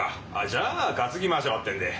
じゃあ担ぎましょうってんで。